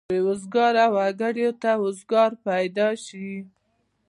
بې روزګاره وګړو ته روزګار پیدا شي.